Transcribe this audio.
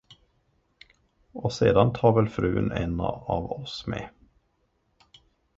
Och sedan tar väl frun en av oss med.